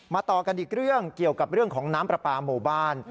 ต่อกันอีกเรื่องเกี่ยวกับเรื่องของน้ำปลาปลาหมู่บ้าน